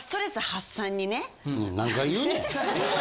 何回言うねん。